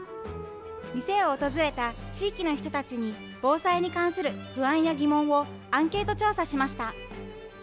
店を訪れた地域の人たちに、防災に関する不安や疑問をアンケート調査しました。